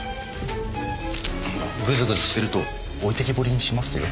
グズグズしてると置いてきぼりにしますよ。